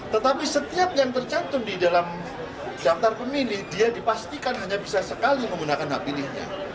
tetapi setiap yang tercantum di dalam daftar pemilih dia dipastikan hanya bisa sekali menggunakan hak pilihnya